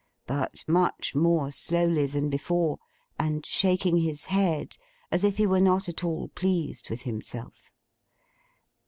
But much more slowly than before, and shaking his head, as if he were not at all pleased with himself.